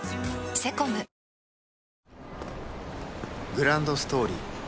グランドストーリー